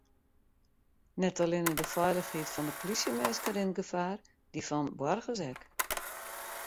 Net allinnich de feilichheid fan de polysjeminsken rint gefaar, dy fan boargers ek.